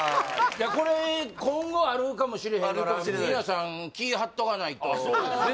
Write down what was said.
これ今後あるかもしれへんから皆さん気張っとかないとそうですね